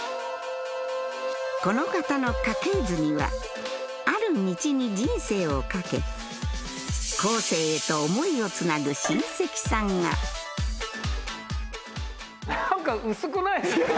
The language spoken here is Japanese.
この方の家系図にはある道に人生を懸け後世へと思いをつなぐ親戚さんが何か薄くないですか？